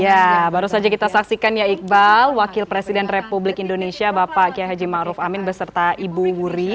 ya baru saja kita saksikan ya iqbal wakil presiden republik indonesia bapak kia haji ma'ruf amin beserta ibu wuri